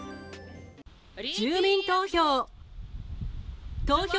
住民投票！